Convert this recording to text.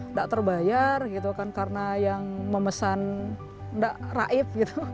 nggak terbayar gitu kan karena yang memesan tidak raib gitu